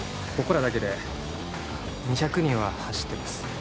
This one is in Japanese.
ここらだけで２００人は走ってます